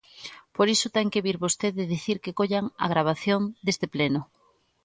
Por iso ten que vir vostede dicir que collan a gravación deste pleno.